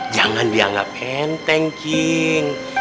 jangan dianggap penteng cing